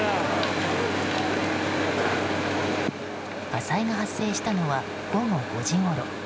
火災が発生したのは午後５時ごろ。